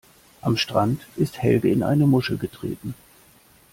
Am Strand ist Helge in eine Muschel getreten.